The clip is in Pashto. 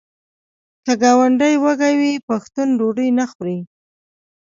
که ګاونډی وږی وي پښتون ډوډۍ نه خوري.